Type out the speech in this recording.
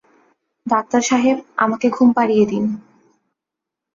Doctor সাহেব, আমাকে ঘুম পাড়িয়ে দিন।